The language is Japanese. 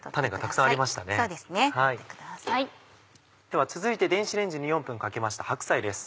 では続いて電子レンジに４分かけました白菜です。